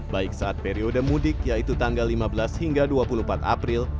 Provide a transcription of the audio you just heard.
baik saat periode mudik yaitu tanggal lima belas hingga dua puluh empat april